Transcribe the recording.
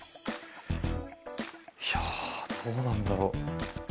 どうなんだろう。